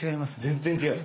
全然違う。